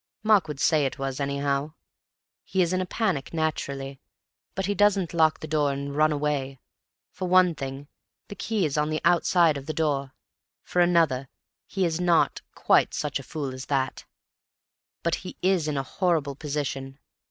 Mark would say it was, anyhow. He is in a panic, naturally. But he doesn't lock the door and run away. For one thing, the key is on the outside of the door; for another, he is not quite such a fool as that. But he is in a horrible position.